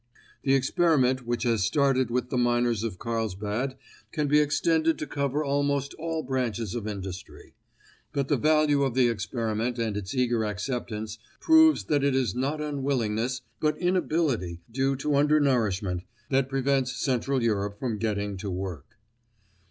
The experiment which has started with the miners of Carlsbad can be extended to cover almost all branches of industry. But the value of the experiment and its eager acceptance proves that it is not unwillingness, but inability due to undernourishment, that prevents Central Europe from getting to work.